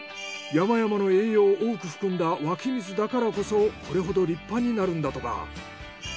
山々の栄養を多く含んだ湧水だからこそこれほど立派になるんだとか。